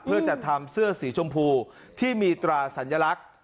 เพื่อจัดทำเสื้อสีชมพูที่มีตราสัญลักษณ์